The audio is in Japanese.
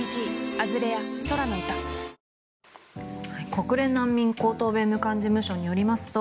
国連難民高等弁務官事務所によりますと